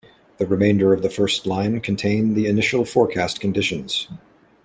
The remainder of the first line contain the initial forecast conditions.